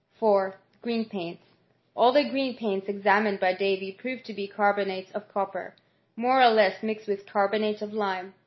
' 4. Oreen paints. All the green paints examined by Davy proved to be carbonates of copper, more or less mixed with carbonate of lime.